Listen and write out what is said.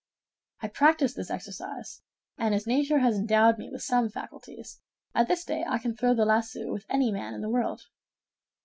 I practiced this exercise, and as nature has endowed me with some faculties, at this day I can throw the lasso with any man in the world.